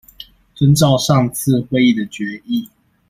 遵照上次會議的決議